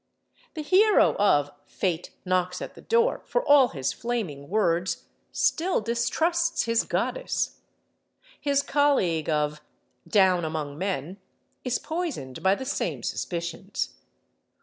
The hero of "Fate Knocks at the Door," for all his flaming words, still distrusts his goddess. His colleague of "Down Among Men" is poisoned by the same suspicions.